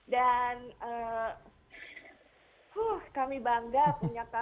dan kami bangga punya kamu